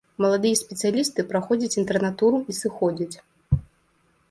Маладыя спецыялісты праходзяць інтэрнатуру і сыходзяць.